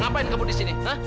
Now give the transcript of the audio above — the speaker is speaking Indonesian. ngapain kamu disini